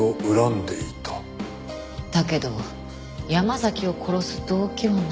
だけど山崎を殺す動機は何？